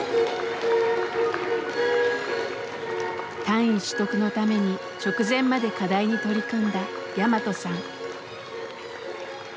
単位取得のために直前まで課題に取り組んだヤマトさん。